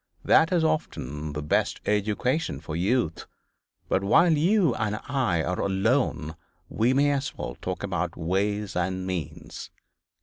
That is often the best education for youth. But while you and I are alone we may as well talk about ways and means.